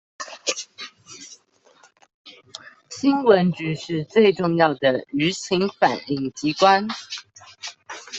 新聞局是最重要的輿情反映機關